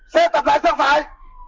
xe tập lại sang phải